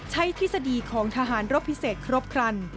ทฤษฎีของทหารรบพิเศษครบครัน